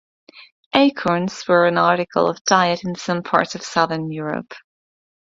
Acorns were an article of diet in some parts of southern Europe.